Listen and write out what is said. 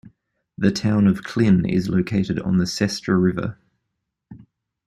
The town of Klin is located on the Sestra River.